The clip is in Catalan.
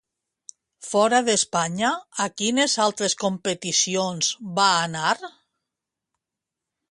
Fora d'Espanya, a quines altres competicions va anar?